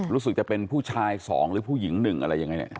รู้สึกจะเป็นผู้ชายสองหรือผู้หญิงหนึ่งอะไรอย่างนี้